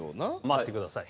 待ってください。